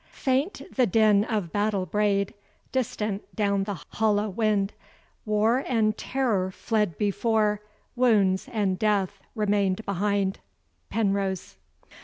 Faint the din of battle bray'd, Distant down the hollow wind; War and terror fled before, Wounds and death remain'd behind. PENROSE.